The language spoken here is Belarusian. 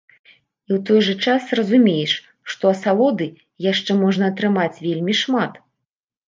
І ў той жа час разумееш, што асалоды яшчэ можна атрымаць вельмі шмат.